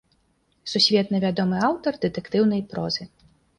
Сусветна вядомы аўтар дэтэктыўнай прозы.